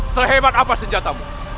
sehebat apa senjatamu